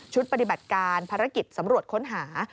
ปฏิบัติการภารกิจสำรวจค้นหา